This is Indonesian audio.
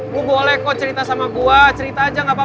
bu boleh kok cerita sama gue cerita aja gak apa apa